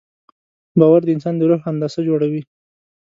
باور د انسان د روح هندسه جوړوي.